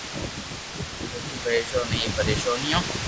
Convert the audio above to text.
رگي پرآݾونيو ھي پريݾونيون